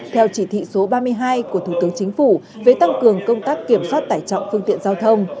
theo chỉ thị số ba mươi hai của thủ tướng chính phủ về tăng cường công tác kiểm soát tải trọng phương tiện giao thông